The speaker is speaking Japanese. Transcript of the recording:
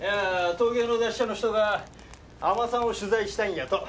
東京の雑誌社の人が海女さんを取材したいんやと。